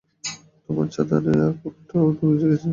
তোমার ছাতা নেই আর কোটটাও তো ভিজে গেছে।